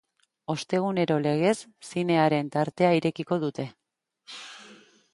Ostegunero legez, zinearen tartea irekiko dute.